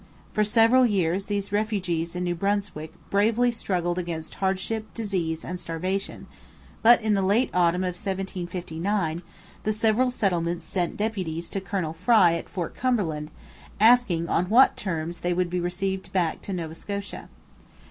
For several years these refugees in New Brunswick bravely struggled against hardship, disease, and starvation; but in the late autumn of 1759 the several settlements sent deputies to Colonel Frye at Fort Cumberland, asking on what terms they would be received back to Nova Scotia.